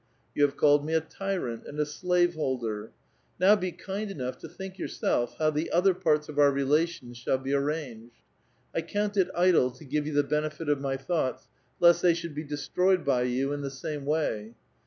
Y'ou have en lied me a tyrant and a slave holder ; now be kind enough to think yourself how the other parts of our relations shall be ar ranged. I count it idle to give you the benefit of my thoughts, lest they should be destroyed by you in the same way.